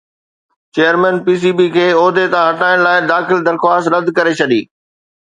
chairman P C B کي عهدي تان هٽائڻ لاءِ داخل درخواست رد ڪري ڇڏي